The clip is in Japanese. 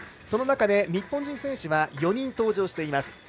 その中で日本人選手は４人登場しています。